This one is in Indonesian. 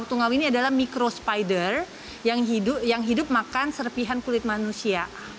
tungau ini adalah micro spider yang hidup makan serpihan kulit manusia